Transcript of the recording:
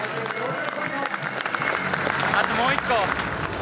あともう一個！